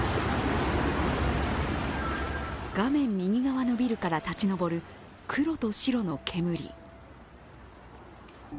画面右側のビルから立ち上る黒と白の煙。